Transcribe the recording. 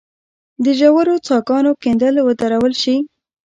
د ژورو څاه ګانو کیندل ودرول شي.